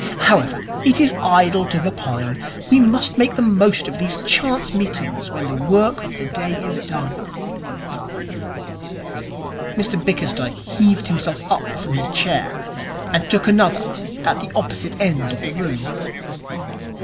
However, it is idle to repine. We must make the most of these chance meetings when the work of the day is over.' Mr Bickersdyke heaved himself up from his chair and took another at the opposite end of the room.